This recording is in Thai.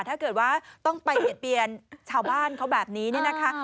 ถ้าเกิดว่าต้องไปเบียดเปียนชาวบ้านเขาแบบนี้เนี่ยนะคะ